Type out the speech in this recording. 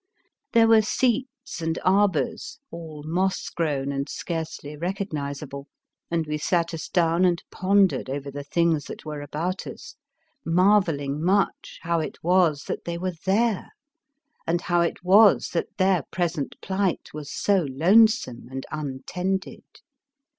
There were seats and arbours, all moss grown and scarcely recognisable, and we sat us down and pondered over the things that were about us, marvel ling much how it was that they were there, and how it was that their pres ent plight was so lonesome and un tended.